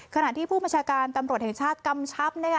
ขณะที่ผู้บัญชาการตำรวจแห่งชาติกำชับ